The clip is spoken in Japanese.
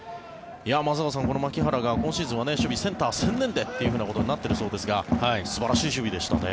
松坂さん、この牧原が今シーズンは守備センター専念でとなっているそうですが素晴らしい守備でしたね。